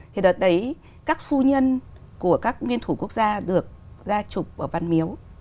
thì đợt đấy các phu nhân của các nguyên thủ quốc gia được ra chụp ở văn miếu